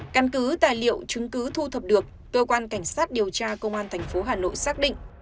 căn cứ tài liệu chứng cứ thu thập được cơ quan cảnh sát điều tra công an tp hà nội xác định